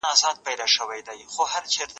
ایا ناروغان ښه کېږي؟